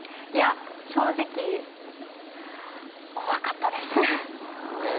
いや正直怖かったです。